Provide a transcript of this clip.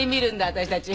私たち。